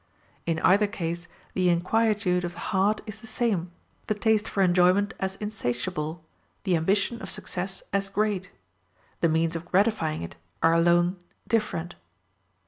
In either case the inquietude of the heart is the same, the taste for enjoyment as insatiable, the ambition of success as great the means of gratifying it are alone different.